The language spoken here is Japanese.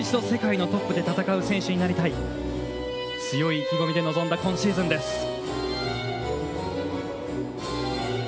世界のトップで戦う選手になりたいと強い意気込みで臨んだ今シーズンです。